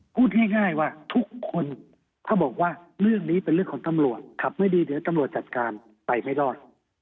พูดง่ายว่าทุกคนถ้าบอกว่าเรื่องนี้เป็นเรื่องของตำรวจขับไม่ดีเดี๋ยวตำรวจจัดการไปไม่รอด